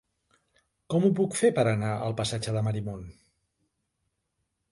Com ho puc fer per anar al passatge de Marimon?